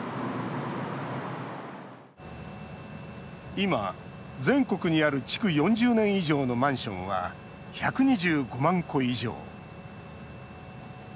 今、全国にある築４０年以上のマンションは１２５万戸以上。